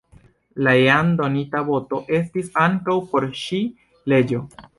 La jam donita voto estis ankaŭ por ŝi leĝo.